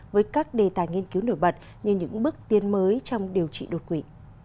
với các đề tài nghiên cứu nổi bật như những bước tiến mới trong điều trị đột quỵ